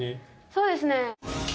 そうですね。